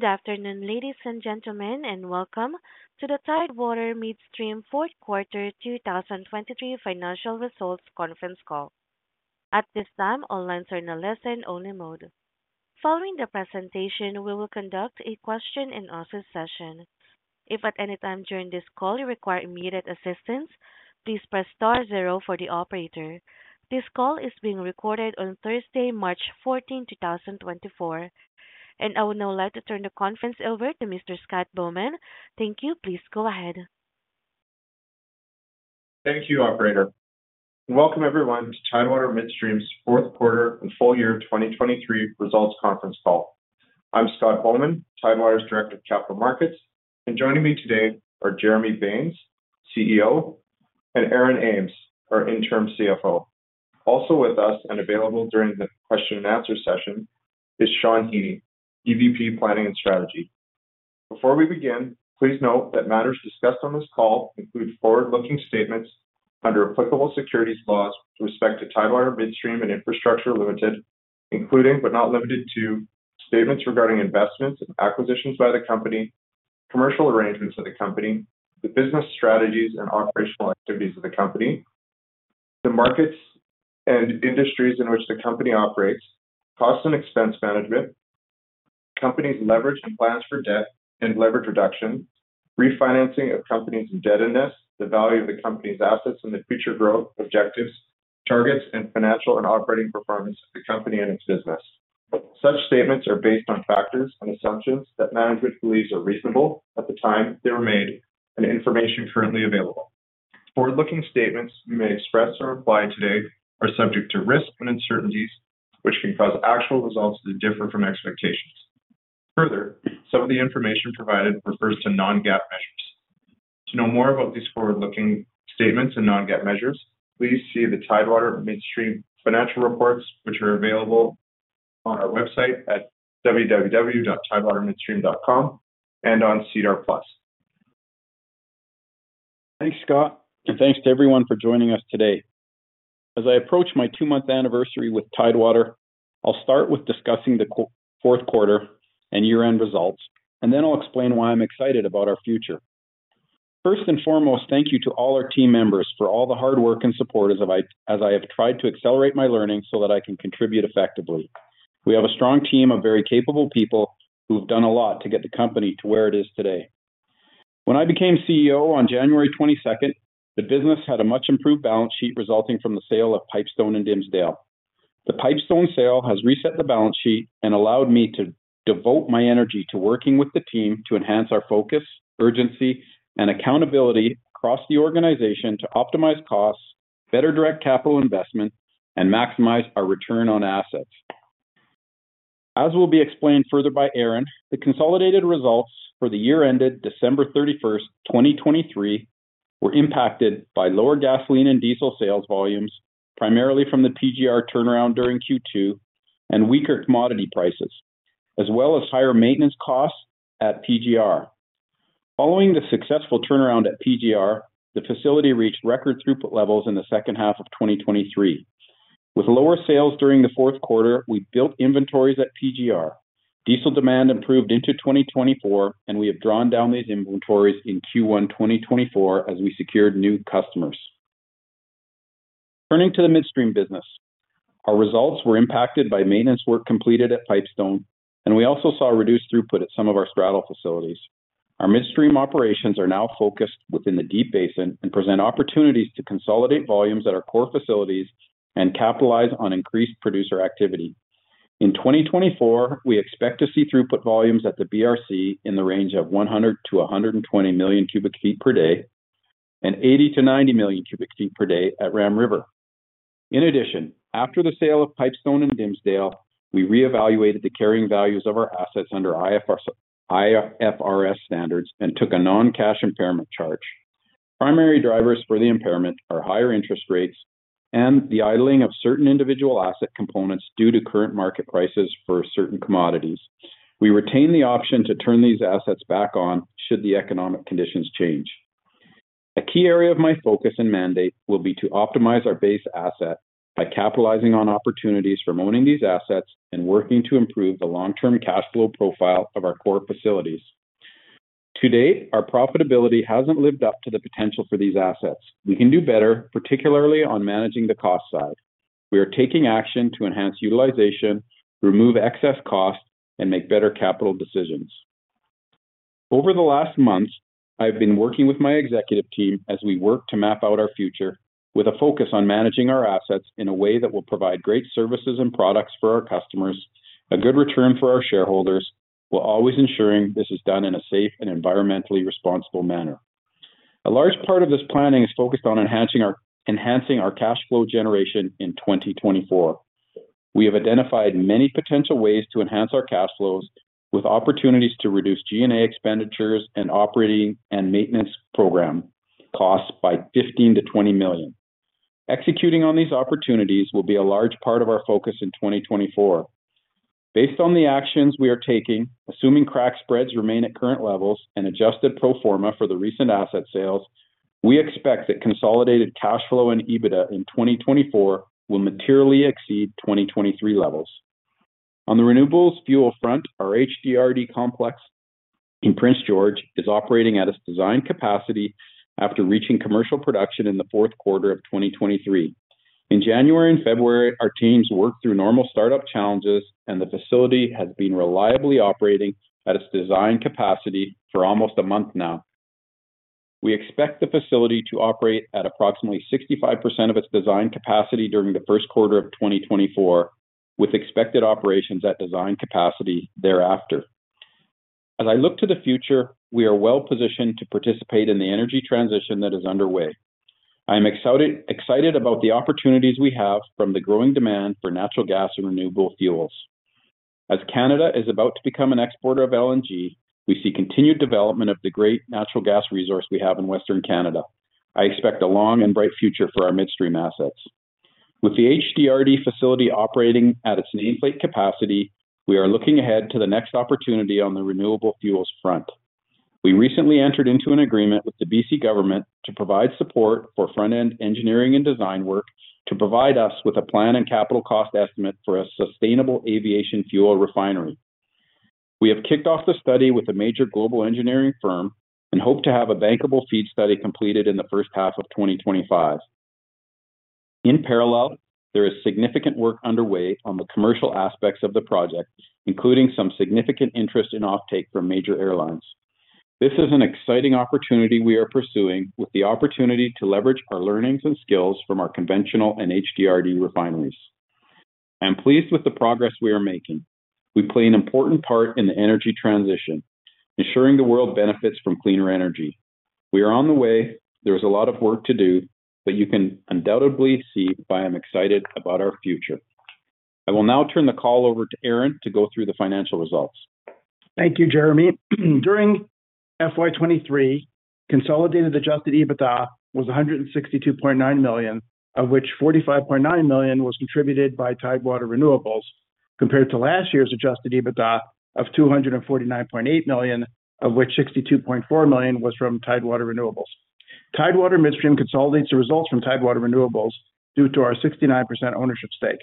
Good afternoon, ladies and gentlemen, and welcome to the Tidewater Midstream Fourth Quarter 2023 Financial Results Conference Call. At this time, all lines are in a listen-only mode. Following the presentation, we will conduct a question-and-answer session. If at any time during this call you require immediate assistance, please press star zero for the operator. This call is being recorded on Thursday, March 14, 2024. I would now like to turn the conference over to Mr. Scott Bauman. Thank you. Please go ahead. Thank you, operator, and welcome everyone to Tidewater Midstream's Fourth Quarter and Full Year of 2023 Results Conference Call. I'm Scott Bauman, Tidewater's Director of Capital Markets, and joining me today are Jeremy Baines, CEO, and Aaron Ames, our interim CFO. Also with us and available during the question and answer session is Shawn Heaney, EVP, Planning and Strategy. Before we begin, please note that matters discussed on this call include forward-looking statements under applicable securities laws with respect to Tidewater Midstream and Infrastructure Ltd, including but not limited to statements regarding investments and acquisitions by the company, commercial arrangements of the company, the business strategies and operational activities of the company, the markets and industries in which the company operates, cost and expense management, company's leverage and plans for debt and leverage reduction, refinancing of company's indebtedness, the value of the company's assets and the future growth, objectives, targets, and financial and operating performance of the company and its business. Such statements are based on factors and assumptions that management believes are reasonable at the time they were made and information currently available. Forward-looking statements we may express or imply today are subject to risks and uncertainties, which can cause actual results to differ from expectations. Further, some of the information provided refers to non-GAAP measures. To know more about these forward-looking statements and non-GAAP measures, please see the Tidewater Midstream financial reports, which are available on our website at www.tidewatermidstream.com and on SEDAR+. Thanks, Scott, and thanks to everyone for joining us today. As I approach my two-month anniversary with Tidewater, I'll start with discussing the fourth quarter and year-end results, and then I'll explain why I'm excited about our future. First and foremost, thank you to all our team members for all the hard work and support as I have tried to accelerate my learning so that I can contribute effectively. We have a strong team of very capable people who have done a lot to get the company to where it is today. When I became CEO on January 22, the business had a much-improved balance sheet resulting from the sale of Pipestone and Dimsdale. The Pipestone sale has reset the balance sheet and allowed me to devote my energy to working with the team to enhance our focus, urgency, and accountability across the organization to optimize costs, better direct capital investment, and maximize our return on assets. As will be explained further by Aaron, the consolidated results for the year ended December 31, 2023, were impacted by lower gasoline and diesel sales volumes, primarily from the PGR turnaround during Q2 and weaker commodity prices, as well as higher maintenance costs at PGR. Following the successful turnaround at PGR, the facility reached record throughput levels in the second half of 2023. With lower sales during the fourth quarter, we built inventories at PGR. Diesel demand improved into 2024, and we have drawn down these inventories in Q1, 2024, as we secured new customers. Turning to the midstream business, our results were impacted by maintenance work completed at Pipestone, and we also saw a reduced throughput at some of our straddle facilities. Our midstream operations are now focused within the Deep Basin and present opportunities to consolidate volumes at our core facilities and capitalize on increased producer activity. In 2024, we expect to see throughput volumes at the BRC in the range of 100-120 million cu ft per day and 80-90 million cu ft per day at Ram River. In addition, after the sale of Pipestone and Dimsdale, we reevaluated the carrying values of our assets under IFRS standards and took a non-cash impairment charge. Primary drivers for the impairment are higher interest rates and the idling of certain individual asset components due to current market prices for certain commodities. We retain the option to turn these assets back on should the economic conditions change. A key area of my focus and mandate will be to optimize our base asset by capitalizing on opportunities from owning these assets and working to improve the long-term cash flow profile of our core facilities. To date, our profitability hasn't lived up to the potential for these assets. We can do better, particularly on managing the cost side. We are taking action to enhance utilization, remove excess costs, and make better capital decisions. Over the last months, I've been working with my executive team as we work to map out our future with a focus on managing our assets in a way that will provide great services and products for our customers, a good return for our shareholders, while always ensuring this is done in a safe and environmentally responsible manner. A large part of this planning is focused on enhancing our cash flow generation in 2024. We have identified many potential ways to enhance our cash flows, with opportunities to reduce G&A expenditures and operating and maintenance program costs by 15 million to 20 million. Executing on these opportunities will be a large part of our focus in 2024. Based on the actions we are taking, assuming crack spreads remain at current levels and adjusted pro forma for the recent asset sales, we expect that consolidated cash flow and EBITDA in 2024 will materially exceed 2023 levels. On the renewables fuel front, our HDRD Complex in Prince George is operating at its design capacity after reaching commercial production in the fourth quarter of 2023. In January and February, our teams worked through normal startup challenges, and the facility has been reliably operating at its design capacity for almost a month now. We expect the facility to operate at approximately 65% of its design capacity during the first quarter of 2024, with expected operations at design capacity thereafter. As I look to the future, we are well-positioned to participate in the energy transition that is underway. I am excited, excited about the opportunities we have from the growing demand for natural gas and renewable fuels. As Canada is about to become an exporter of LNG, we see continued development of the great natural gas resource we have in Western Canada. I expect a long and bright future for our midstream assets. With the HDRD facility operating at its nameplate capacity, we are looking ahead to the next opportunity on the renewable fuels front. We recently entered into an agreement with the BC government to provide support for front-end engineering and design work, to provide us with a plan and capital cost estimate for a Sustainable Aviation Fuel refinery. We have kicked off the study with a major global engineering firm and hope to have a bankable FEED study completed in the first half of 2025. In parallel, there is significant work underway on the commercial aspects of the project, including some significant interest in offtake from major airlines. This is an exciting opportunity we are pursuing, with the opportunity to leverage our learnings and skills from our conventional and HDRD refineries. I am pleased with the progress we are making. We play an important part in the energy transition, ensuring the world benefits from cleaner energy. We are on the way. There is a lot of work to do, but you can undoubtedly see why I'm excited about our future. I will now turn the call over to Aaron to go through the financial results. Thank you, Jeremy. During FY 2023, consolidated adjusted EBITDA was 162.9 million, of which 45.9 million was contributed by Tidewater Renewables, compared to last year's adjusted EBITDA of 249.8 million, of which 62.4 million was from Tidewater Renewables. Tidewater Midstream consolidates the results from Tidewater Renewables due to our 69% ownership stake.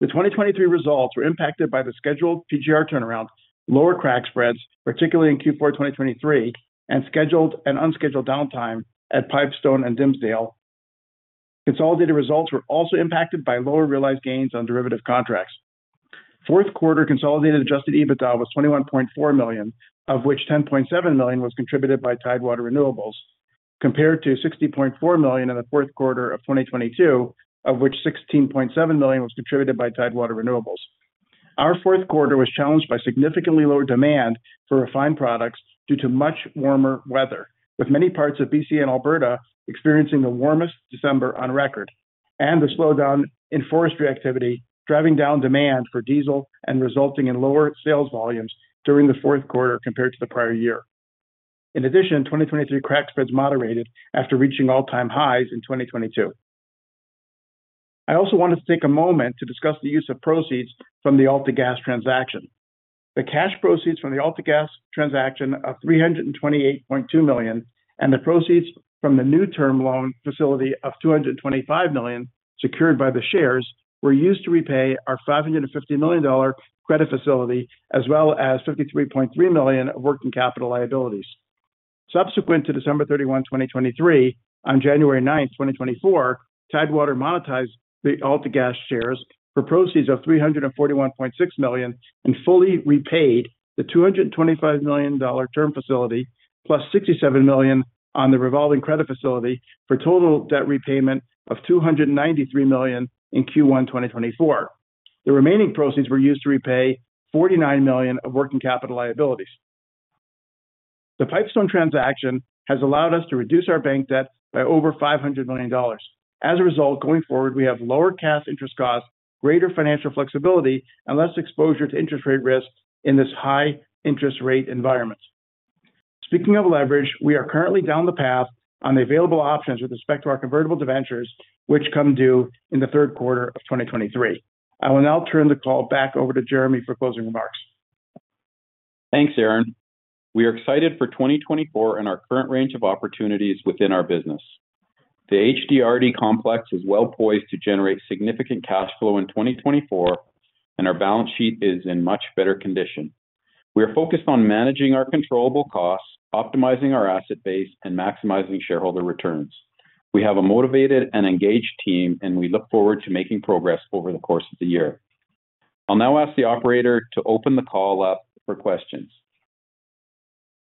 The 2023 results were impacted by the scheduled PGR turnaround, lower crack spreads, particularly in Q4 2023, and scheduled and unscheduled downtime at Pipestone and Dimsdale. Consolidated results were also impacted by lower realized gains on derivative contracts. Fourth quarter consolidated adjusted EBITDA was 21.4 million, of which 10.7 million was contributed by Tidewater Renewables, compared to 60.4 million in the fourth quarter of 2022, of which 16.7 million was contributed by Tidewater Renewables. Our fourth quarter was challenged by significantly lower demand for refined products due to much warmer weather, with many parts of BC and Alberta experiencing the warmest December on record, and the slowdown in forestry activity, driving down demand for diesel and resulting in lower sales volumes during the fourth quarter compared to the prior year. In addition, 2023 crack spreads moderated after reaching all-time highs in 2022. I also wanted to take a moment to discuss the use of proceeds from the AltaGas transaction. The cash proceeds from the AltaGas transaction of CAD 328.2 million, and the proceeds from the new term loan facility of CAD 225 million, secured by the shares, were used to repay our CAD 550 million credit facility, as well as CAD 53.3 million of working capital liabilities. Subsequent to December 31, 2023, on January 9, 2024, Tidewater monetized the AltaGas shares for proceeds of 341.6 million and fully repaid the 225 million dollar term facility, +67 million on the revolving credit facility, for total debt repayment of 293 million in Q1 2024. The remaining proceeds were used to repay 49 million of working capital liabilities. The Pipestone transaction has allowed us to reduce our bank debt by over 500 million dollars. As a result, going forward, we have lower cash interest costs, greater financial flexibility, and less exposure to interest rate risks in this high-interest-rate environment. Speaking of leverage, we are currently down the path on the available options with respect to our convertible debentures, which come due in the third quarter of 2023. I will now turn the call back over to Jeremy for closing remarks. Thanks, Aaron. We are excited for 2024 and our current range of opportunities within our business. The HDRD Complex is well poised to generate significant cash flow in 2024, and our balance sheet is in much better condition. We are focused on managing our controllable costs, optimizing our asset base, and maximizing shareholder returns. We have a motivated and engaged team, and we look forward to making progress over the course of the year. I'll now ask the operator to open the call up for questions.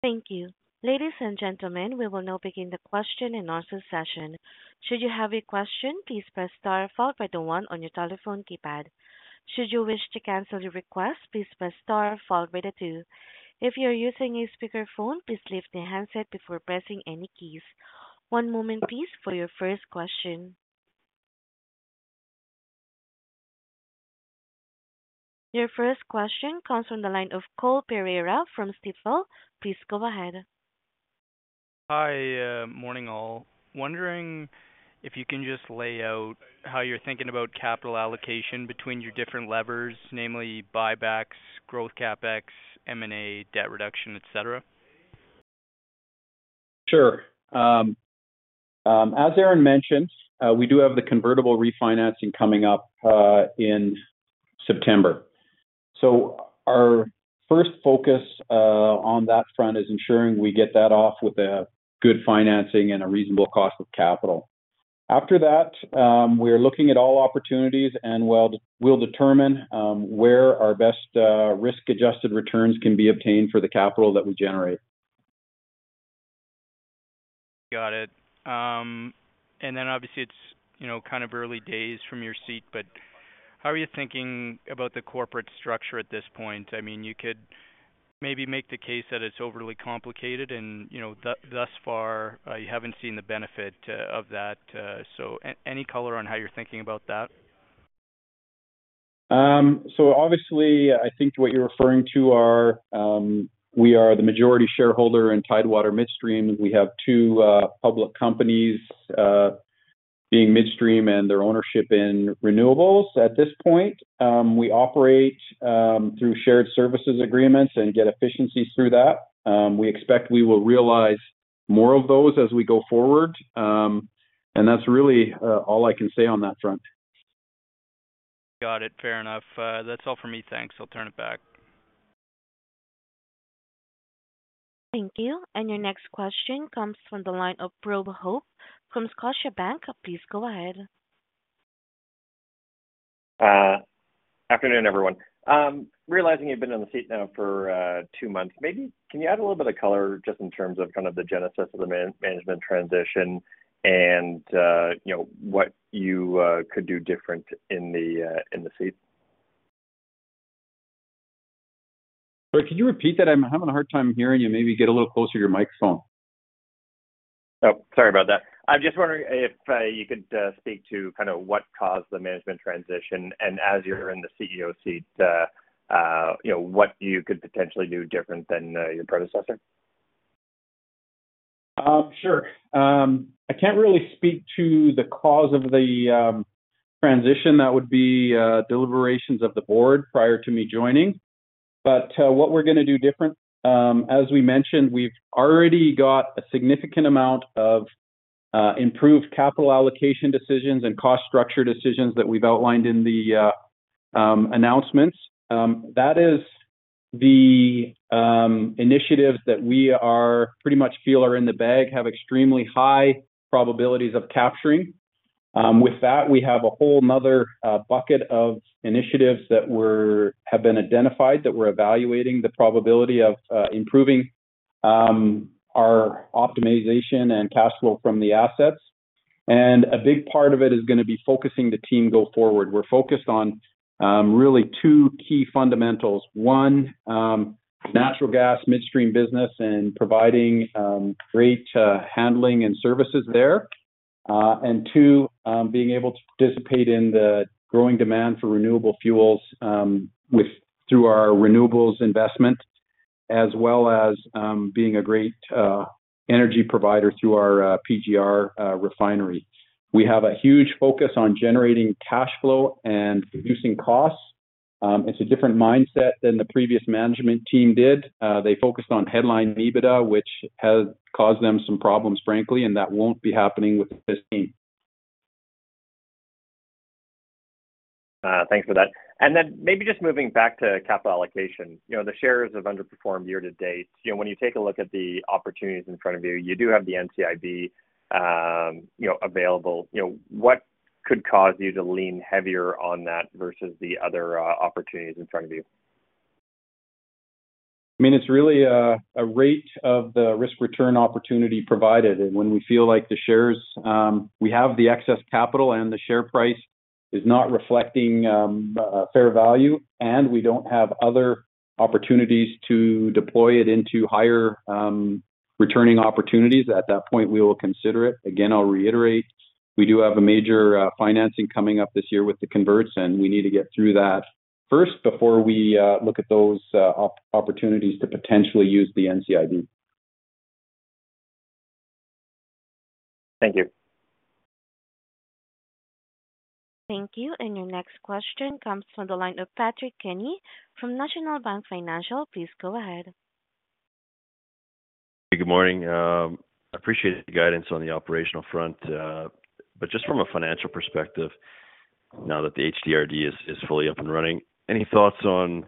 Thank you. Ladies and gentlemen, we will now begin the question and answer session. Should you have a question, please press star followed by the one on your telephone keypad. Should you wish to cancel your request, please press star followed by the two. If you are using a speakerphone, please lift the handset before pressing any keys. One moment, please, for your first question. Your first question comes from the line of Cole Pereira from Stifel. Please go ahead. Hi, morning, all. Wondering if you can just lay out how you're thinking about capital allocation between your different levers, namely buybacks, growth, CapEx, M&A, debt reduction, et cetera? Sure. As Aaron mentioned, we do have the convertible refinancing coming up in September. Our first focus on that front is ensuring we get that off with a good financing and a reasonable cost of capital. After that, we're looking at all opportunities, and we'll determine where our best risk-adjusted returns can be obtained for the capital that we generate. Got it. And then obviously, it's kind of early days from your seat, but how are you thinking about the corporate structure at this point? I mean, you could maybe make the case that it's overly complicated and thus far, you haven't seen the benefit of that. So any color on how you're thinking about that? So obviously, I think what you're referring to are, we are the majority shareholder in Tidewater Midstream. We have two public companies, being midstream and their ownership in renewables. At this point, we operate through shared services agreements and get efficiencies through that. We expect we will realize more of those as we go forward. And that's really all I can say on that front. Got it. Fair enough. That's all for me. Thanks. I'll turn it back. Thank you. And your next question comes from the line of Robert Hope from Scotiabank. Please go ahead. Afternoon, everyone. Realizing you've been in the seat now for two months, maybe can you add a little bit of color just in terms of kind of the genesis of the management transition and, you know, what you could do different in the seat? Sorry, could you repeat that? I'm having a hard time hearing you. Maybe get a little closer to your microphone. Oh, sorry about that. I'm just wondering if you could speak to kind of what caused the management transition, and as you're in the CEO seat, what you could potentially do different than your predecessor? Sure. I can't really speak to the cause of the transition. That would be deliberations of the board prior to me joining. But what we're gonna do different, as we mentioned, we've already got a significant amount of improved capital allocation decisions and cost structure decisions that we've outlined in the announcements. That is the initiatives that we pretty much feel are in the bag, have extremely high probabilities of capturing. With that, we have a whole another bucket of initiatives that have been identified, that we're evaluating the probability of improving our optimization and cash flow from the assets. And a big part of it is gonna be focusing the team go forward. We're focused on really two key fundamentals. One, natural gas midstream business and providing, great, handling and services there. And two, being able to participate in the growing demand for renewable fuels, through our renewables investment, as well as, being a great, energy provider through our, PGR, refinery. We have a huge focus on generating cash flow and reducing costs. It's a different mindset than the previous management team did. They focused on headline EBITDA, which has caused them some problems, frankly, and that won't be happening with this team. Thanks for that. And then maybe just moving back to capital allocation. You know, the shares have underperformed year to date. You know, when you take a look at the opportunities in front of you, you do have the NCIB, you know, available. You know, what could cause you to lean heavier on that versus the other opportunities in front of you? I mean, it's really a rate of the risk-return opportunity provided. And when we feel like the shares, we have the excess capital and the share price is not reflecting a fair value, and we don't have other opportunities to deploy it into higher-returning opportunities, at that point, we will consider it. Again, I'll reiterate, we do have a major financing coming up this year with the converts, and we need to get through that first before we look at those opportunities to potentially use the NCIB. Thank you. Thank you. Your next question comes from the line of Patrick Kenny from National Bank Financial. Please go ahead. Good morning. Appreciate the guidance on the operational front, but just from a financial perspective, now that the HDRD is fully up and running, any thoughts on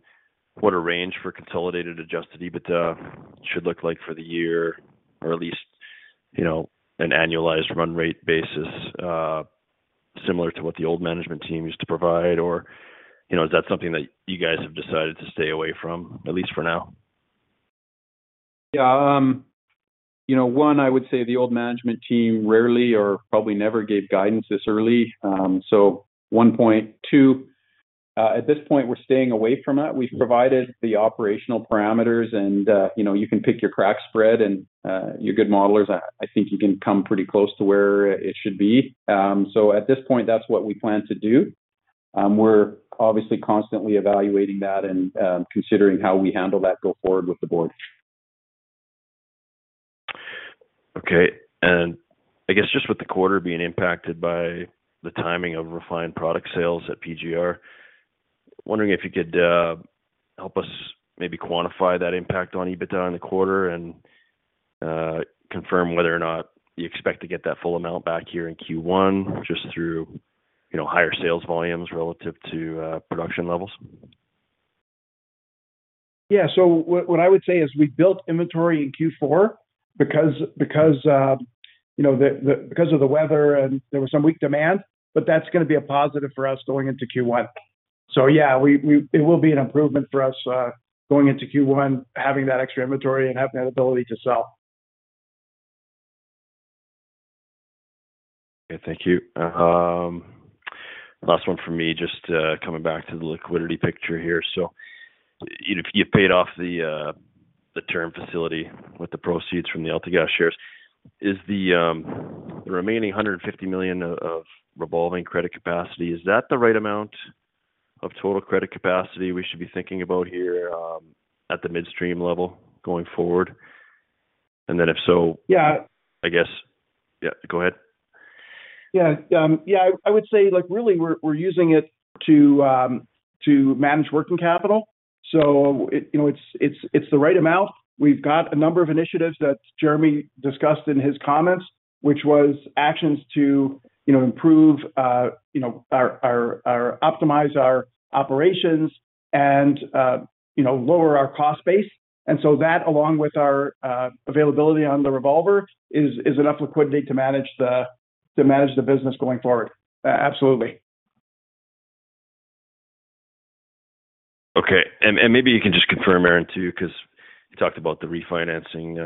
what a range for consolidated adjusted EBITDA should look like for the year, or at least, you know, an annualized run rate basis, similar to what the old management team used to provide? Or, you know, is that something that you guys have decided to stay away from, at least for now? One, I would say the old management team rarely or probably never gave guidance this early. So one point. Two, at this point, we're staying away from it. We've provided the operational parameters and you can pick your crack spread and, you're good modelers. I think you can come pretty close to where it should be. So at this point, that's what we plan to do. We're obviously constantly evaluating that and, considering how we handle that go forward with the board. Okay. And I guess just with the quarter being impacted by the timing of refined product sales at PGR, wondering if you could help us maybe quantify that impact on EBITDA in the quarter and confirm whether or not you expect to get that full amount back here in Q1, just through higher sales volumes relative to production levels? What I would say is, we built inventory in Q4 because you know, because of the weather, and there was some weak demand, but that's gonna be a positive for us going into Q1. It will be an improvement for us, going into Q1, having that extra inventory and having the ability to sell. Okay, thank you. Last one from me, just coming back to the liquidity picture here. So you, you paid off the term facility with the proceeds from the AltaGas shares. Is the remaining 150 million of revolving credit capacity, is that the right amount of total credit capacity we should be thinking about here, at the midstream level, going forward? I would say, like, really, we're using it to manage working capital. So it's the right amount. We've got a number of initiatives that Jeremy discussed in his comments, which was actions to improve, you know, optimize our operations and lower our cost base. And so that, along with our availability on the revolver, is enough liquidity to manage the business going forward. Absolutely. Okay. And maybe you can just confirm, Aaron, too, 'cause you talked about the refinancing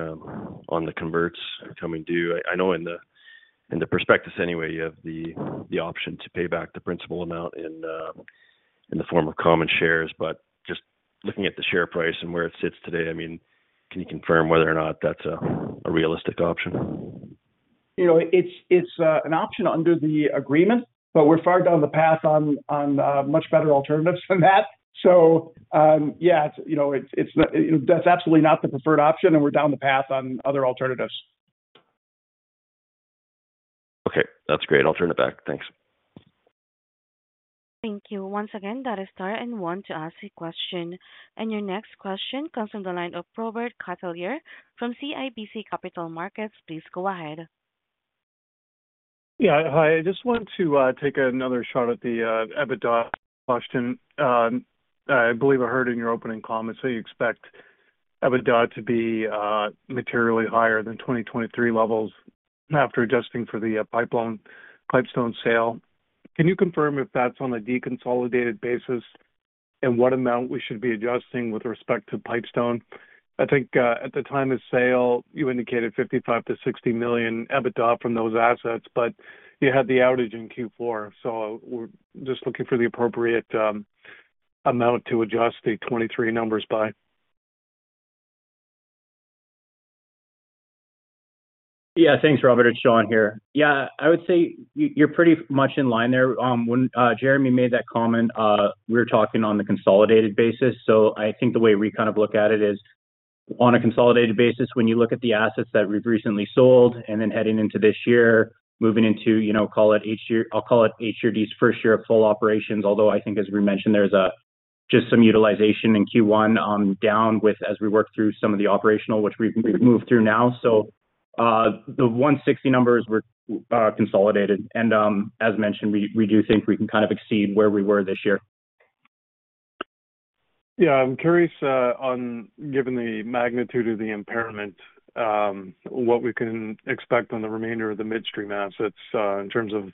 on the converts coming due. I know in the prospectus anyway, you have the option to pay back the principal amount in the form of common shares. But just looking at the share price and where it sits today, I mean, can you confirm whether or not that's a realistic option? It's an option under the agreement, but we're far down the path on much better alternatives than that. That's absolutely not the preferred option, and we're down the path on other alternatives. Okay, that's great. I'll turn it back. Thanks. Thank you. Once again, that is star and one to ask a question. Your next question comes from the line of Robert Catellier from CIBC Capital Markets. Please go ahead. Yeah, hi. I just wanted to take another shot at the EBITDA question. I believe I heard in your opening comments that you expect EBITDA to be materially higher than 2023 levels after adjusting for the pipeline, Pipestone sale. Can you confirm if that's on a deconsolidated basis, and what amount we should be adjusting with respect to Pipestone? I think at the time of sale, you indicated 55million to 60 million EBITDA from those assets, but you had the outage in Q4. So we're just looking for the appropriate amount to adjust the 2023 numbers by. Yeah. Thanks, Robert. It's Shawn here. Yeah, I would say you, you're pretty much in line there. When Jeremy made that comment, we were talking on the consolidated basis. So I think the way we kind of look at it is, on a consolidated basis, when you look at the assets that we've recently sold, and then heading into this year, moving into, you know, I'll call it HDRD's first year of full operations. Although, I think as we mentioned, there's just some utilization in Q1, down with, as we work through some of the operational, which we've moved through now. So, the 160 numbers were consolidated, and, as mentioned, we do think we can kind of exceed where we were this year. Yeah. I'm curious, given the magnitude of the impairment, what we can expect on the remainder of the midstream assets, in terms of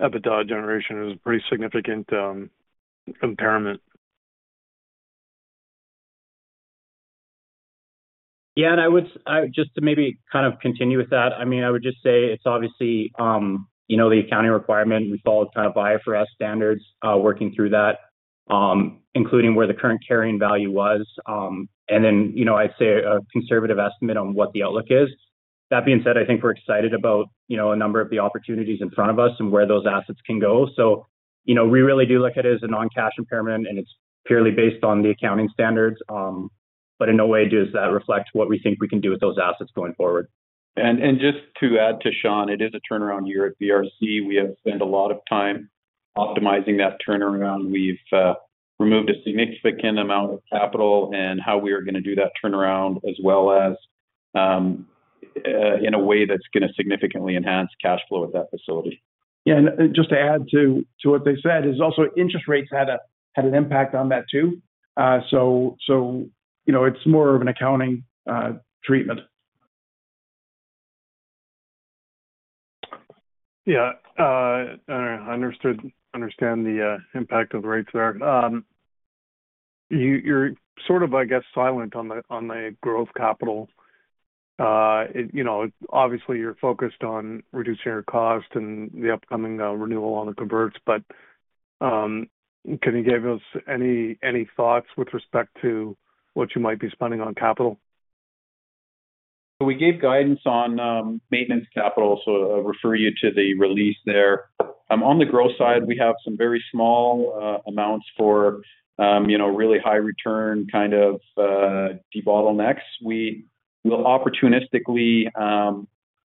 EBITDA generation. It was a pretty significant impairment. Yeah. And I would just to maybe kind of continue with that, I mean, I would just say it's obviously the accounting requirement. We followed kind of IFRS standards, working through that, including where the current carrying value was, and then I'd say a conservative estimate on what the outlook is. That being said, I think we're excited about a number of the opportunities in front of us and where those assets can go. We really do look at it as a non-cash impairment, and it's purely based on the accounting standards, but in no way does that reflect what we think we can do with those assets going forward. Just to add to Shawn, it is a turnaround year at BRC. We have spent a lot of time optimizing that turnaround. We've removed a significant amount of capital and how we are gonna do that turnaround, as well as in a way that's gonna significantly enhance cash flow at that facility. Yeah, and just to add to what they said, is also interest rates had an impact on that, too. It's more of an accounting treatment. Yeah. I understand the impact of the rates there. You're silent on the growth capital. You know, obviously, you're focused on reducing your cost and the upcoming renewal on the converts, but can you give us any thoughts with respect to what you might be spending on capital? We gave guidance on maintenance capital, so I'll refer you to the release there. On the growth side, we have some very small amounts for, you know, really high return, kind of debottlenecks. We will opportunistically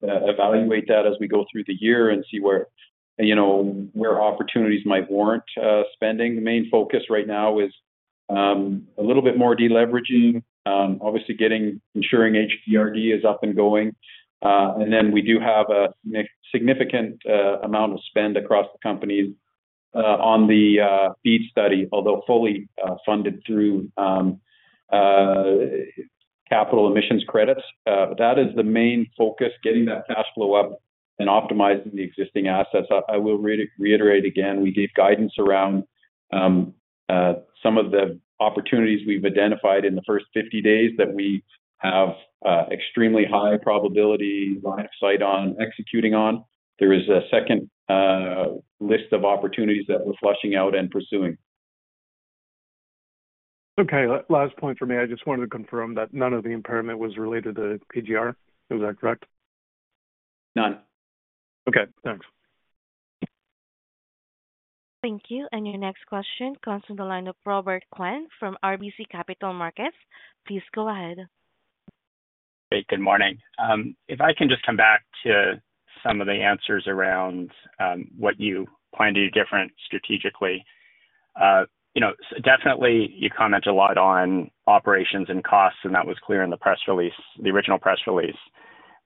evaluate that as we go through the year and see where, you know, where opportunities might warrant spending. The main focus right now is a little bit more deleveraging. Obviousl,y getting, ensuring HDRD is up and going. And then we do have a significant amount of spend across the company on the FEED study, although fully funded through carbon emissions credits. That is the main focus, getting that cash flow up and optimizing the existing assets. I will reiterate again, we gave guidance around some of the opportunities we've identified in the first 50 days that we have extremely high probability line of sight on executing on. There is a second list of opportunities that we're fleshing out and pursuing. Okay. Last point for me. I just wanted to confirm that none of the impairment was related to PGR. Is that correct? None. Okay, thanks. Thank you. And your next question comes from the line of Robert Kwan from RBC Capital Markets. Please go ahead. Hey, good morning. If I can just come back to some of the answers around what you plan to do different strategically. You know, definitely you comment a lot on operations and costs, and that was clear in the press release, the original press release.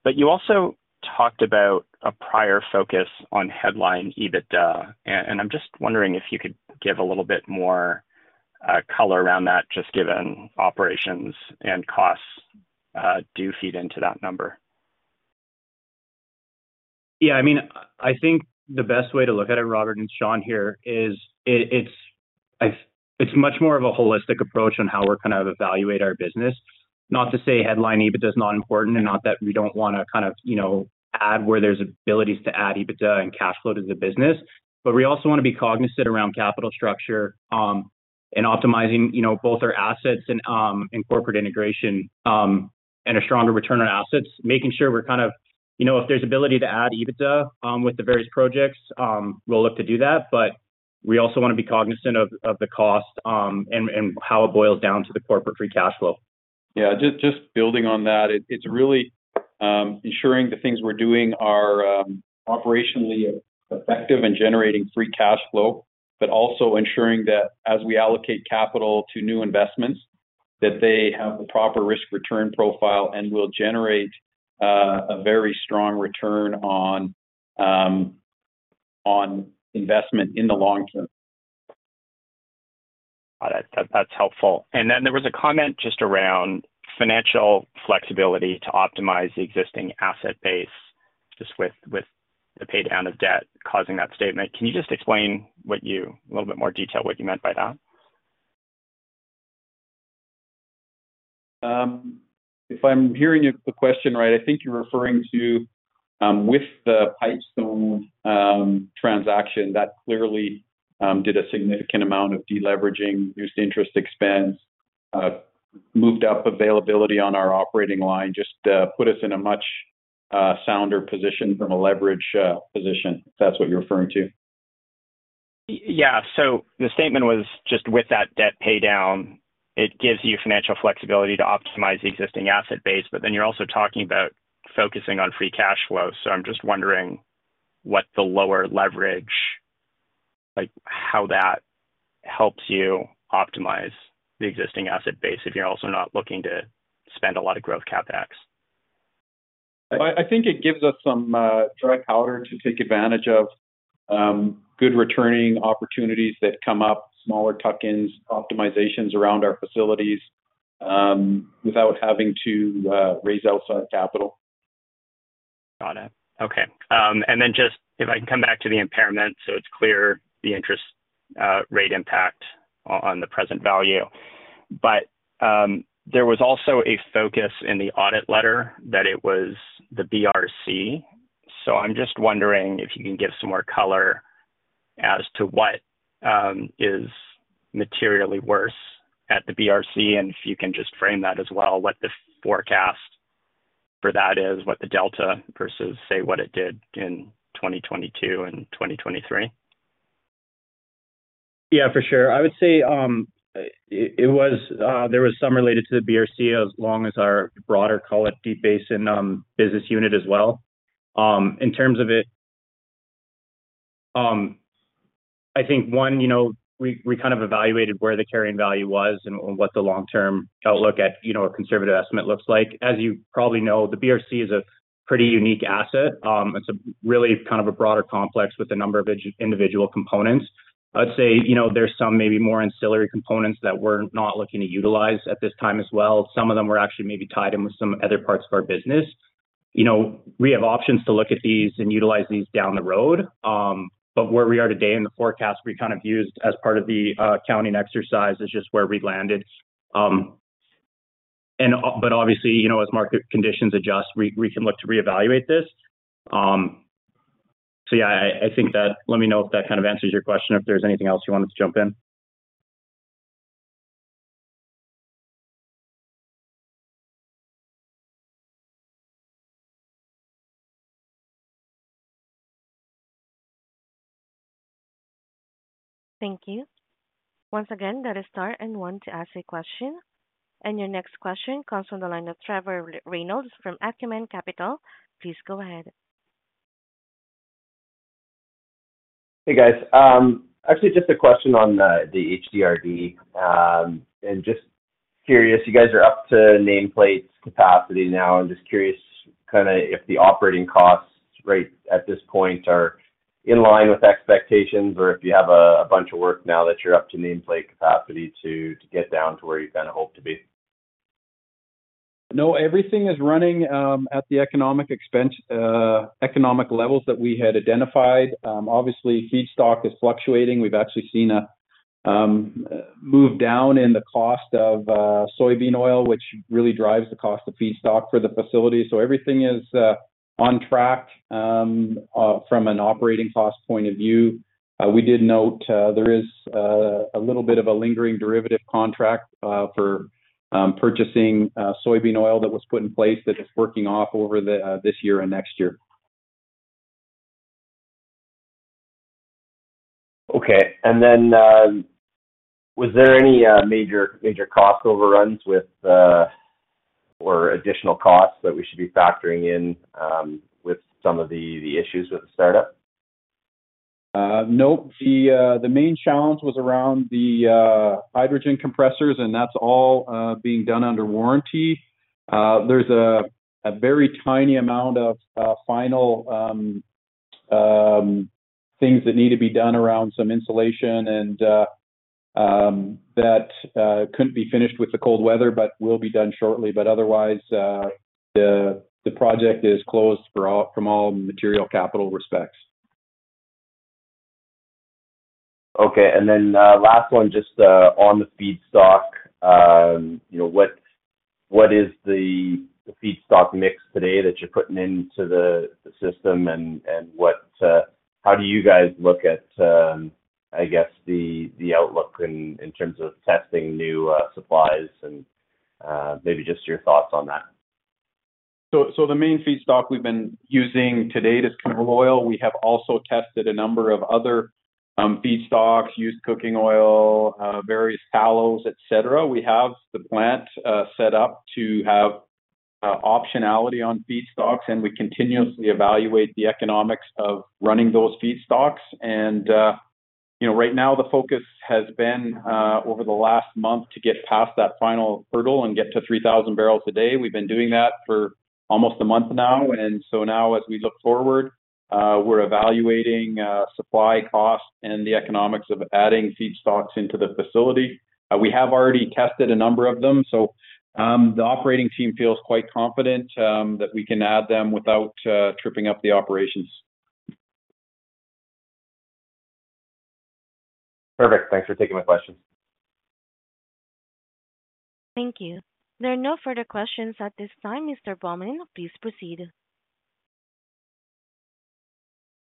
But you also talked about a prior focus on headline EBITDA, and I'm just wondering if you could give a little bit more color around that, just given operations and costs do feed into that number? I think the best way to look at it, Robert, and Shawn here, is. It's much more of a holistic approach on how we kind of evaluate our business. Not to say headline EBITDA is not important, and not that we don't wanna kind of, you know, add where there's abilities to add EBITDA and cash flow to the business. But we also want to be cognizant around capital structure, and optimizing, you know, both our assets and, and corporate integration, and a stronger return on assets, making sure we're kind of, if there's ability to add EBITDA, with the various projects, we'll look to do that, but we also want to be cognizant of the cost, and, and how it boils down to the corporate free cash flow. Yeah, just building on that, it's really ensuring the things we're doing are operationally effective and generating free cash flow, but also ensuring that as we allocate capital to new investments, that they have the proper risk-return profile and will generate a very strong return on investment in the long term. That, that's helpful. And then there was a comment just around financial flexibility to optimize the existing asset base, just with the pay down of debt causing that statement. Can you just explain a little bit more detail, what you meant by that? If I'm hearing you the question right, I think you're referring to with the Pipestone transaction, that clearly did a significant amount of deleveraging, reduced interest expense, moved up availability on our operating line, just put us in a much sounder position from a leverage position, if that's what you're referring to. Yeah. So the statement was just with that debt pay down, it gives you financial flexibility to optimize the existing asset base, but then you're also talking about focusing on free cash flow. So I'm just wondering what the lower leverage, like, how that helps you optimize the existing asset base if you're also not looking to spend a lot of growth CapEx? I think it gives us some dry powder to take advantage of good returning opportunities that come up, smaller tuck-ins, optimizations around our facilities, without having to raise outside capital. Got it. Okay. And then just if I can come back to the impairment, so it's clear the interest rate impact on the present value. But there was also a focus in the audit letter that it was the BRC. So I'm just wondering if you can give some more color as to what is materially worse at the BRC, and if you can just frame that as well, what the forecast for that is, what the delta versus, say, what it did in 2022 and 2023. Yeah, for sure. I would say, it was, there was some related to the BRC as long as our broader Core Deep Basin business unit as well. In terms of it, one, we kind of evaluated where the carrying value was and, and what the long-term outlook at a conservative estimate looks like. As you probably know, the BRC is a pretty unique asset. It's a really kind of a broader complex with a number of individual components. I'd say, you know, there's some maybe more ancillary components that we're not looking to utilize at this time as well. Some of them were actually maybe tied in with some other parts of our business. You know, we have options to look at these and utilize these down the road. But where we are today in the forecast, we kind of used as part of the accounting exercise is just where we landed. But obviously, you know, as market conditions adjust, we, we can look to reevaluate this. I think that. Let me know if that kind of answers your question, if there's anything else you wanted to jump in? Thank you. Once again, that is star and one to ask a question. Your next question comes from the line of Trevor Reynolds from Acumen Capital. Please go ahead. Hey, guys. Actually, just a question on the HDRD. And just curious, you guys are up to nameplate capacity now. I'm just curious if the operating costs right at this point are in line with expectations, or if you have a bunch of work now that you're up to nameplate capacity to get down to where you kind of hope to be? No, everything is running at the economic levels that we had identified. Obviously, feedstock is fluctuating. We've actually seen a move down in the cost of soybean oil, which really drives the cost of feedstock for the facility. So everything is on track. From an operating cost point of view, we did note there is a little bit of a lingering derivative contract for purchasing soybean oil that was put in place that is working off over this year and next year. Okay. And then, was there any major cost overruns with or additional costs that we should be factoring in with some of the issues with the startup? Nope. The main challenge was around the hydrogen compressors, and that's all being done under warranty. There's a very tiny amount of final things that need to be done around some insulation and that couldn't be finished with the cold weather, but will be done shortly. But otherwise, the project is closed for all, from all material capital respects. Okay. And then, last one, just on the feedstock. You know, what is the feedstock mix today that you're putting into the system? And what, how do you guys look at, I guess the outlook in terms of testing new supplies and maybe just your thoughts on that? So the main feedstock we've been using to date is canola oil. We have also tested a number of other feedstocks, used cooking oil, various tallow, et cetera. We have the plant set up to have optionality on feedstocks, and we continuously evaluate the economics of running those feedstocks. And you know, right now the focus has been over the last month to get past that final hurdle and get to 3,000 barrels a day. We've been doing that for almost a month now, and so now as we look forward, we're evaluating supply costs and the economics of adding feedstocks into the facility. We have already tested a number of them, so the operating team feels quite confident that we can add them without tripping up the operations. Perfect. Thanks for taking my questions. Thank you. There are no further questions at this time. Mr. Bauman, please proceed.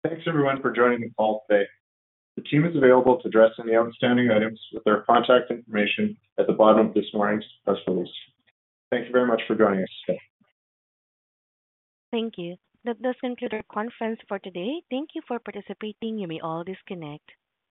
Thanks, everyone, for joining the call today. The team is available to address any outstanding items with their contact information at the bottom of this morning's press release. Thank you very much for joining us today. Thank you. That does conclude our conference for today. Thank you for participating. You may all disconnect.